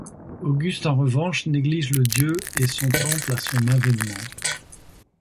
Auguste en revanche néglige le dieu et son temple à son avènement.